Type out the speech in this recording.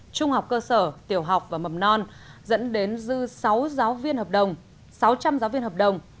trung học cơ sở tiểu học và mầm non dẫn đến dư sáu giáo viên hợp đồng sáu trăm linh giáo viên hợp đồng